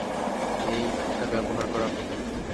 এটা ব্যবহার করা কঠিন।